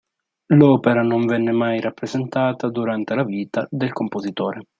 L'opera non venne mai rappresentata durante la vita del compositore.